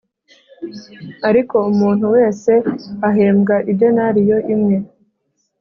ariko umuntu wese ahembwa idenariyo imwe